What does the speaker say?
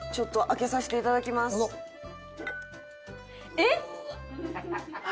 えっ！